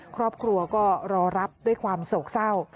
ครอบครัวก็รอรับด้วยความโศกเศร้า